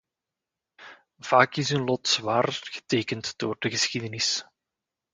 Vaak is hun lot zwaar getekend door de geschiedenis.